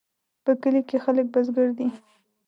په کلي کې خلک بزګر دي